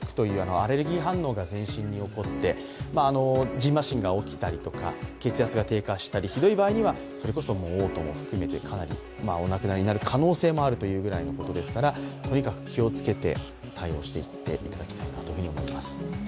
じんましんが起きたりとか、血圧が低下したりひどい場合には、それこそおう吐も含めてお亡くなりになる可能性もあるというぐらいのことですからとにかく気をつけて対応していってもらいたいと思います。